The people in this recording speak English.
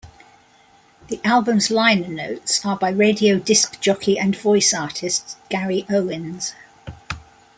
The album's liner notes are by radio disc jockey and voice artist Gary Owens.